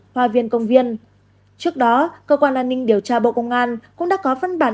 hòa viên công viên trước đó cơ quan an ninh điều tra bộ công an cũng đã có phân bản